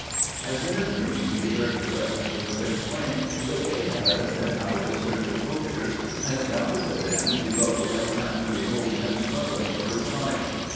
As in a dream he heard his rescuers explain that they had been out in search of poachers and had rounded the bend below in time to behold him struggling for his life.